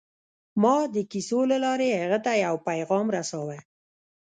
ما د کیسو له لارې هغه ته یو پیغام رساوه